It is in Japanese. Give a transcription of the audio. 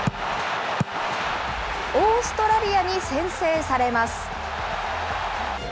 オーストラリアに先制されます。